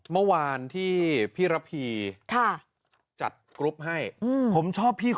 เมื่อวานที่พี่ระพีจัดกรุ๊ปให้